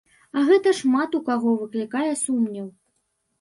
А гэта шмат у каго выклікае сумнеў.